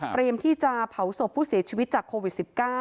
ที่จะเผาศพผู้เสียชีวิตจากโควิด๑๙